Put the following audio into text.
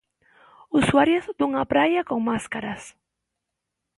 Usuarias dunha praia con máscaras.